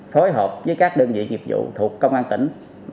thối hợp với các đơn vị nhiệm vụ thuộc công an tỉnh